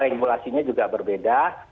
dan situasinya juga berbeda